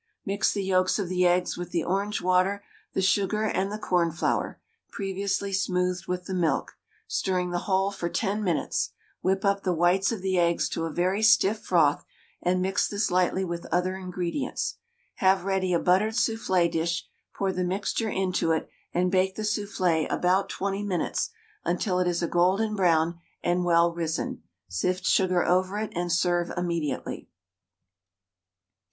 Mix the yolks of the eggs with the orange water, the sugar and the cornflour (previously smoothed with the milk), stirring the whole for 10 minutes; whip up the whites of the eggs to a very stiff froth, and mix this lightly with the other ingredients; have ready a buttered soufflé dish, pour the mixture into it, and bake the soufflé about 20 minutes until it is a golden brown and well risen; sift sugar over it and serve immediately.